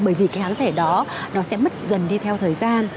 bởi vì cái kháng thể đó nó sẽ mất dần đi theo thời gian